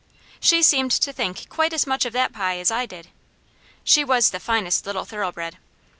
She seemed to think quite as much of that pie as I did. She was the finest little thoroughbred.